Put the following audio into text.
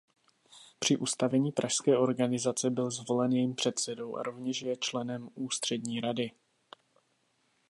Při ustavení pražské organizace byl zvolen jejím předsedou a rovněž je členem Ústřední rady.